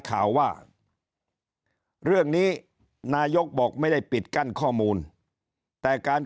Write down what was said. ข่าวว่าเรื่องนี้นายกบอกไม่ได้ปิดกั้นข้อมูลแต่การ